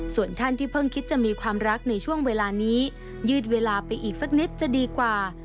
ส่วนท่านที่เพิ่งคิดจะมีความรักในช่วงเวลานี้ยืดเวลาไปอีกสักนิดจะดีกว่า